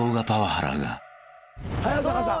早坂さん。